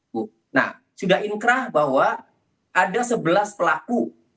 bu nah sudah inkrah bahwa ada sebelas pelaku